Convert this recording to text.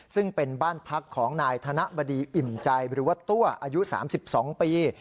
ซึ่งเป็นบ้านพักของนายธนบดีอิ่มใจหรือว่าตัวอายุ๓๒ปี